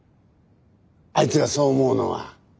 あいつがそう思うのは。